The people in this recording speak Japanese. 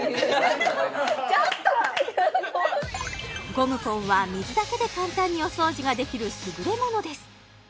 ゴムポンは水だけで簡単にお掃除ができる優れものです